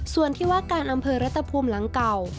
ส่วนที่ว่าการอำเภอรัตภูมิหลังเก่า